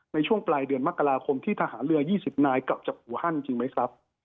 ในช่วงปลายเดือนมกราคมที่ทหารเรือ๒๐นายกลับจากอูฮันจริงไหมครับ